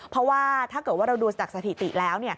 เพราะว่าถ้าเกิดว่าเราดูจากสถิติแล้ว